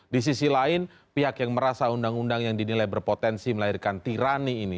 di sisi lain pihak yang merasa undang undang yang dinilai berpotensi melahirkan tirani ini